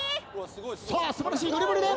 素晴らしいドリブルで。